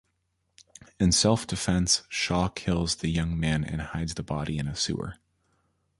In self-defense Shaw kills the young man and hides the body in a sewer.